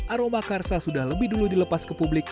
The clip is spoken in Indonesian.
aroma karsa sudah lebih dulu dilepas ke publik